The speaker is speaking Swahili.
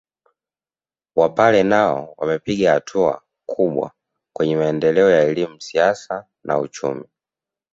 Wapare nao wamepiga hatua kubwa kwenye maendeleo ya elimu siasa na uchumi